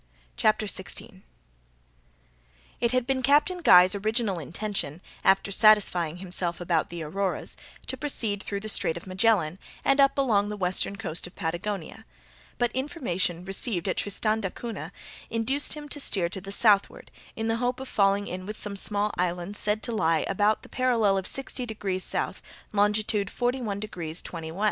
CHAPTER 16 It had been Captain Guy's original intention, after satisfying himself about the Auroras, to proceed through the Strait of Magellan, and up along the western coast of Patagonia; but information received at Tristan d'Acunha induced him to steer to the southward, in the hope of falling in with some small islands said to lie about the parallel of 60 degrees S., longitude 41 degrees 20' W.